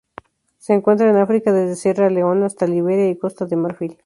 Se encuentran en África: desde Sierra Leona hasta Liberia y Costa de Marfil.